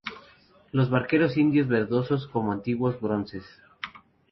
los barqueros indios, verdosos como antiguos bronces